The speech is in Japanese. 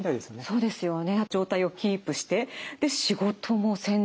そうですね。